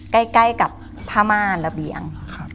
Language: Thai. ใกล้กับผ้าม่านระเบียง